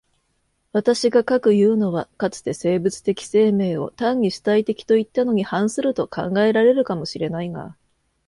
私が斯くいうのは、かつて生物的生命を単に主体的といったのに反すると考えられるかも知れないが、